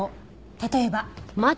例えば。